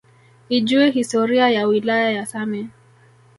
Ijue historia ya wilaya ya same